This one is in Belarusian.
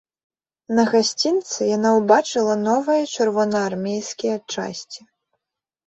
На гасцінцы яна ўбачыла новыя чырвонаармейскія часці.